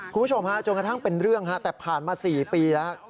คุณผู้ชมฮะจนกระทั่งเป็นเรื่องฮะแต่ผ่านมา๔ปีแล้ว